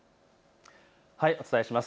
お伝えします。